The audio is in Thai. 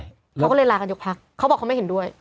เขาก็เลยลากันยกพักเขาบอกเขาไม่เห็นด้วย